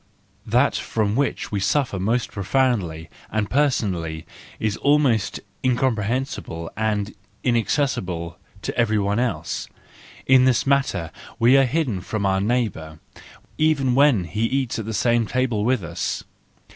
—That from which we suffer most profoundly and personally is almost incomprehensible and inaccessible to every one else: in this matter we are hidden from our neighbour even when he eats at the same table with us.